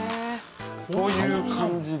という感じで。